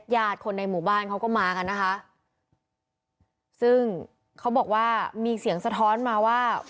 ญาติคนในหมู่บ้านเขาก็มากันนะคะซึ่งเขาบอกว่ามีเสียงสะท้อนมาว่า